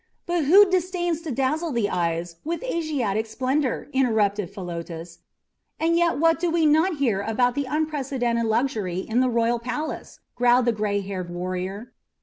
"But who disdains to dazzle the eyes with Asiatic splendour," interrupted Philotas. "And yet what do we not hear about the unprecedented luxury in the royal palace!" growled the gray haired warrior.